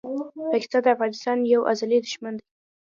پاکستان د افغانستان یو ازلي دښمن دی!